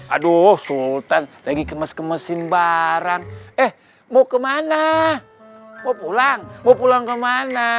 aduh sultan lagi kemes kemesin barang eh mau kemana mau pulang mau pulang kemana